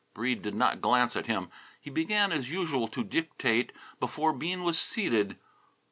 Breede did not glance at him. He began, as usual, to dictate before Bean was seated.